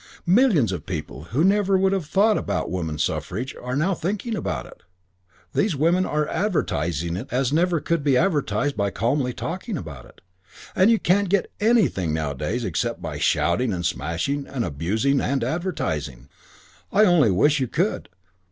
Millions of people who never would have thought about woman suffrage are thinking about it now. These women are advertising it as it never could be advertised by calmly talking about it, and you can't get anything nowadays except by shouting and smashing and abusing and advertising. I only wish you could.